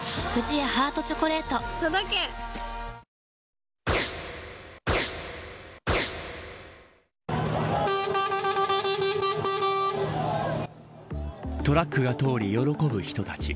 ニトリトラックが通り喜ぶ人たち。